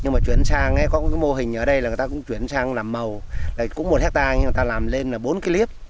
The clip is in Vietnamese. nhưng mà chuyển sang có mô hình ở đây là người ta cũng chuyển sang làm màu cũng một hectare nhưng mà người ta làm lên là bốn cái liếp